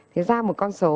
thế ra một con số